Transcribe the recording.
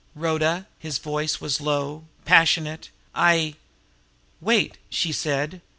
"Rhoda," his voice was low, passionate, "I " "Wait!" she said.